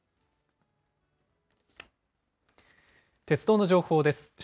鉄道の情報です。